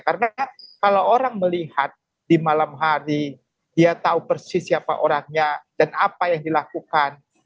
karena kalau orang melihat di malam hari dia tahu persis siapa orangnya dan apa yang dilakukan